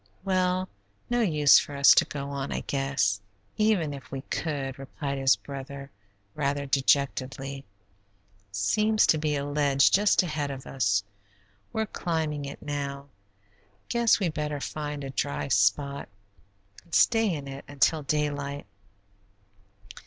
"Well, no use for us to go on, I guess, even if we could," replied his brother, rather dejectedly; "seems to be a ledge just ahead of us. We're climbing it now; guess we better find a dry spot and stay in it until daylight."